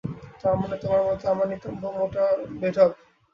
তার মানে, তোমার মতে আমার নিতম্ব মোটা বেঢপ।